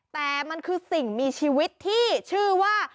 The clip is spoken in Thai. แต่มันคือสิ่งมีชีวิตที่ชื่อว่า